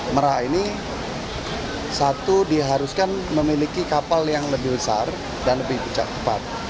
merak ini satu diharuskan memiliki kapal yang lebih besar dan lebih cepat